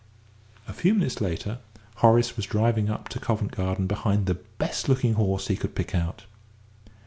A few minutes later Horace was driving up to Covent Garden behind the best looking horse he could pick out.